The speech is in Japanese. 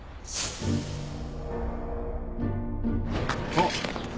あっ！